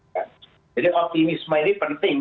jadi optimisme ini penting